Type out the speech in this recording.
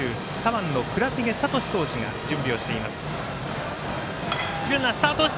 背番号１０、左腕の倉重聡投手が準備をしています。